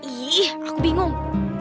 ih aku bingung